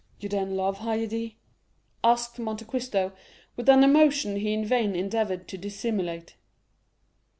"You then love Haydée?" asked Monte Cristo with an emotion he in vain endeavored to dissimulate.